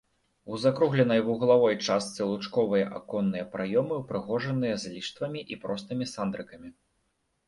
У закругленай вуглавой частцы лучковыя аконныя праёмы ўпрыгожаны з ліштвамі і простымі сандрыкамі.